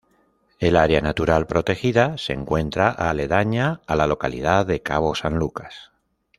El área natural protegida se encuentra aledaña a la localidad de Cabo San Lucas.